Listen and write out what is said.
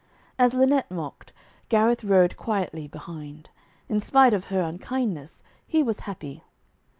As Lynette mocked, Gareth rode quietly behind. In spite of her unkindness, he was happy.